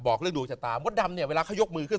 บอกเรื่องดวงชะตามดดำเนี่ยเวลาเขายกมือขึ้น